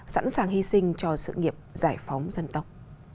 sẵn sàng hy sinh cho sự nghiệp giải phóng dân tộc